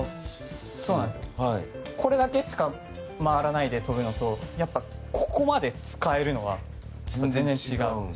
これだけしか回らないで跳ぶのとここまで使えるのは全然違う。